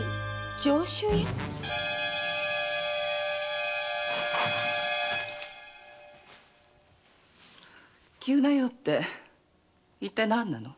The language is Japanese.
上州屋⁉急な用って一体何なの？